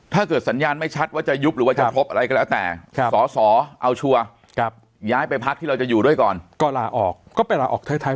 ถ้าเกิดสัญญาณไม่ชัดว่าจะยุบหรือว่าจะพบอะไรก็แล้วแต่